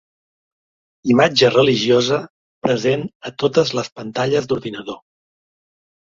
Imatge religiosa present a totes les pantalles d'ordinador.